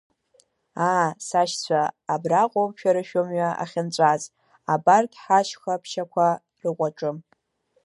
Аа, сашьцәа, абраҟоуп шәара шәымҩа ахьынҵәаз абарҭ ҳашьха ԥшьақәа рыкәаҿы.